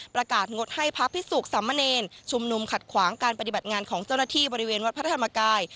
ประกาศงดให้พระพิสุขสัมมะเนรชุมนุมขัดขวางการปฏิบัติงานของเจ้าหน้าที่บริเวณวัดพระธรรมกาย